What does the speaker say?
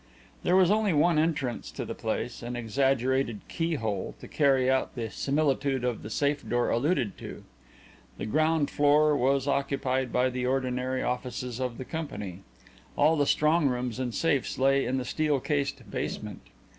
There was only one entrance to the place, an exaggerated keyhole, to carry out the similitude of the safe door alluded to. The ground floor was occupied by the ordinary offices of the company; all the strong rooms and safes lay in the steel cased basement.